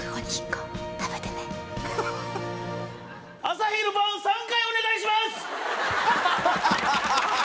朝昼晩３回お願いします！